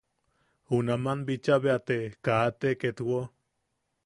Junaman bicha bea te kate ketwo.